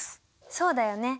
そうだよね。